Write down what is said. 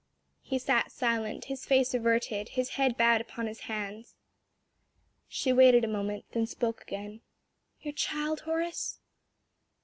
'" He sat silent, his face averted, his head bowed upon his hands. She waited a moment, then spoke again. "Your child, Horace?"